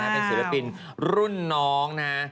เป็นศิลปินรุ่นน้องนะฮะ